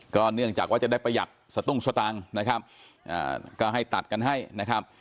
เนื่องจากว่าจะได้ประหยัดสตุ้งสตังค์นะครับก็ให้ตัดกันให้นะครับ